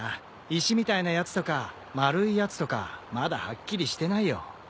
石みたいなやつとかまるいやつとかまだはっきりしてないよ。